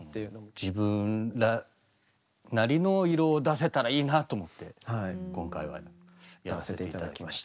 自分なりの色を出せたらいいなと思って今回はやらせていただきました。